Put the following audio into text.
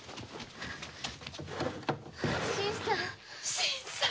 新さん。